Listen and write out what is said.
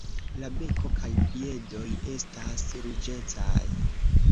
La beko kaj piedoj estas ruĝecaj.